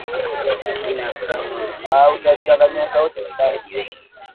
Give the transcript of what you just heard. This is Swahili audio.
Jina kama Magoti linalotumiwa na Wajita wengi